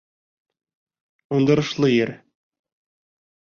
Уңдырышлы ер.